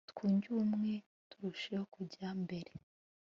twunge ubumwe turusheho kujya mbere